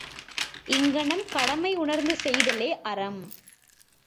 இங்ஙனம் கடமை உணர்ந்து செய்தலே அறம்!